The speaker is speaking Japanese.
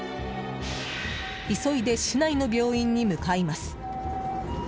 急いで市内の病院に向かいます。